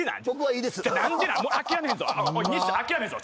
諦めんぞ。